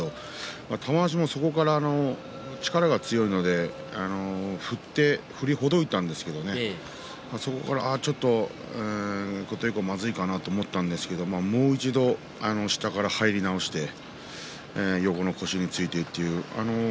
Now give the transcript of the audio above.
玉鷲も、そこから力が強いので振って、振りほどいたんですがそこから琴恵光、まずいかなと思ったんですが、もう一度下から入り直してこの腰についていく。